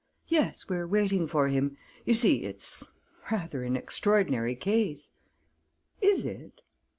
"Yes, we're waiting for him. You see, it's rather an extraordinary case." "Is it?"